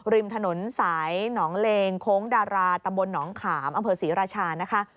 ริมถนนสายหนองเลงโค้งดาราตะบนหนองขามอศริรชานะคะ